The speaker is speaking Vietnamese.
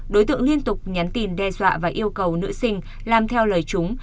đối tượng liên tục nhắn tin đe dọa và yêu cầu nữ sinh làm theo lời chúng